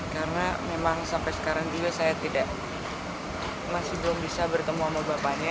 karena memang sampai sekarang juga saya tidak masih belum bisa bertemu sama bapaknya